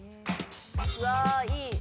うわいい